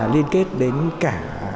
liên kết đến cả